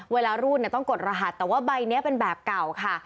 รูดต้องกดรหัสแต่ว่าใบนี้เป็นแบบเก่าค่ะ